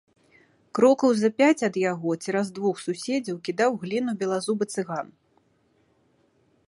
Крокаў за пяць ад яго, цераз двух суседзяў, кідаў гліну белазубы цыган.